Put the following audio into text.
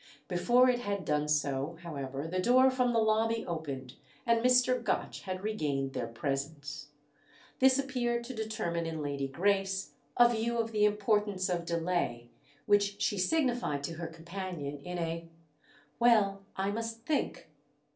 Before it had done so, however, the door from the lobby opened and Mr. Gotch had regained their presence. This appeared to determine in Lady Grace a view of the importance of delay, which she signified to her companion in a "Well—I must think!"